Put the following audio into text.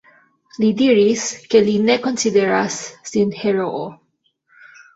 Li diris, ke li ne konsideras sin heroo.